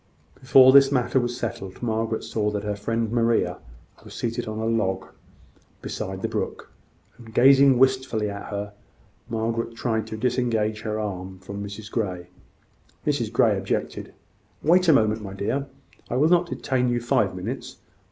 Before this matter was settled, Margaret saw that her friend Maria was seated on a log beside the brook, and gazing wistfully at her. Margaret tried to disengage her arm from Mrs Grey; Mrs Grey objected. "Wait a moment, my dear. I will not detain you five minutes.